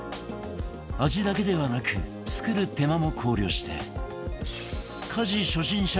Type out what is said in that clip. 味だけではなく作る手間も考慮して